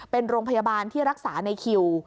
เป็นโรงพยาบาลที่รักษาในคิว